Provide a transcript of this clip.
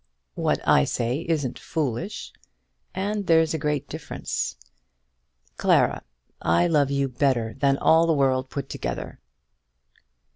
"What I say isn't foolish; and there's a great difference. Clara, I love you better than all the world put together."